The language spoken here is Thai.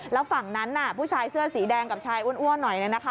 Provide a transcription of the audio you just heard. แล้วฝั่งนั้นน่ะผู้ชายเสื้อสีแดงกับชายอ้วนหน่อยเนี่ยนะคะ